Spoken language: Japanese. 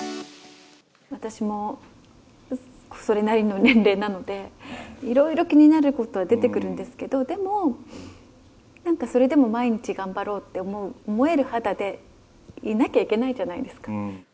私もそれなりの年齢なので、いろいろ気になることは出てくるんですけど、でも、なんかそれでも毎日、頑張ろうって思える肌でいなきゃいけないじゃないですか。